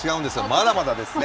まだまだですね。